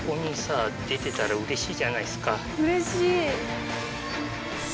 うれしい。